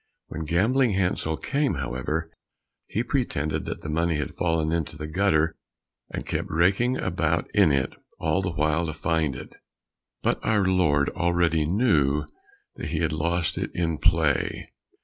When Gambling Hansel came, however, he pretended that the money had fallen into the gutter, and kept raking about in it all the while to find it, but our Lord already knew that he had lost it in play.